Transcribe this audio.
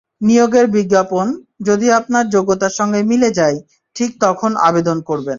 নিয়োগের বিজ্ঞাপন, যদি আপনার যোগ্যতার সঙ্গে মিলে যায়, ঠিক তখন আবেদন করবেন।